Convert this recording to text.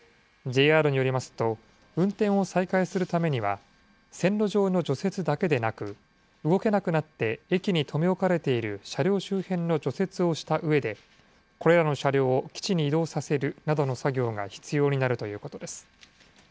ＪＲによりますと、運転を再開するためには、線路上の除雪だけでなく、動けなくなって駅に留め置かれている車両周辺の除雪をしたうえで、これらの車両を基地に移動させるなどの作業が必要になるということです。